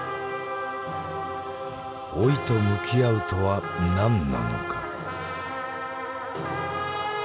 老いと向き合うとはなんなのか。